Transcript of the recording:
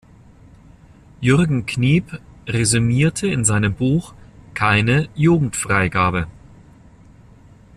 Jürgen Kniep resümierte in seinem Buch "Keine Jugendfreigabe!